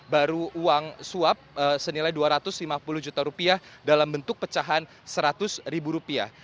baru uang suap senilai dua ratus lima puluh juta rupiah dalam bentuk pecahan seratus ribu rupiah